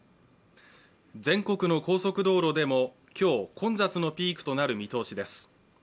全国の高速道路でも今日、混雑のピークとなる見通しです。